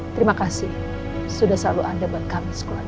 terima kasih sudah selalu ada buat kami sekolahnya